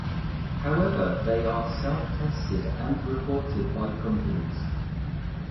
However they are self tested and reported by companies.